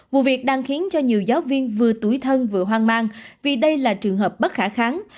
vụ việc đang khiến cho nhiều giáo viên vừa túi thân vừa hoang mang vì đây là trường hợp bất khả kháng